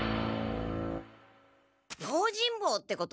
用心棒ってこと？